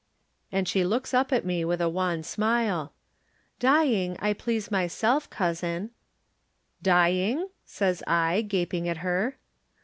And she looks up at me with a wan smile. Dying, I please myself, cousin/' "* Dying'?" says I, gaping at her.